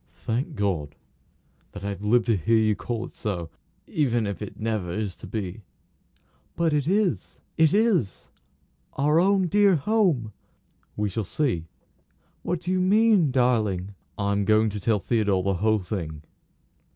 "Thank God," said he, "that I have lived to hear you call it so, even if it never is to be." "But it is it is. Our own dear home!" "We shall see." "What do you mean, darling?" "I am going to tell Theodore the whole thing."